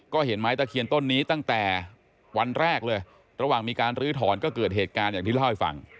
ก็เห็นไม้ตะเคียนต้นนี้ตั้งแต่วันแรกเลยระหว่างมีการลื้อถอนก็เกิดเหตุการณ์อย่างที่เล่าให้ฟัง